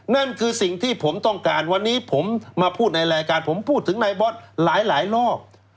นั่นคือสิ่งที่ผมต้องการวันนี้ผมมาพูดในรายการผมพูดถึงนายบอสหลายรอบ